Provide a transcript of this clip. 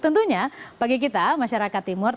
tentunya bagi kita masyarakat timur